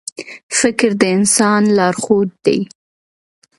• فکر د انسان لارښود دی.